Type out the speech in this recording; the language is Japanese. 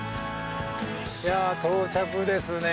いや到着ですね。